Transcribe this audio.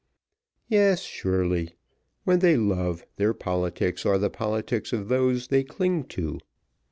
Yes, surely; when they love, their politics are the politics of those they cling to.